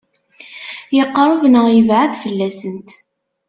Yeqṛeb neɣ yebɛed fell-asen?